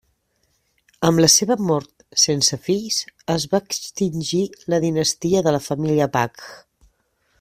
Amb la seva mort sense fills es va extingir la dinastia de la família Bach.